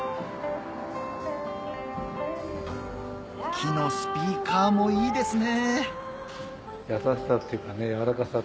木のスピーカーもいいですね